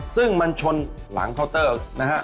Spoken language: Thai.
ซึ่งมันชนหลังเคาน์เตอร์นะฮะ